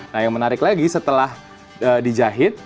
nah yang menarik lagi setelah dijahit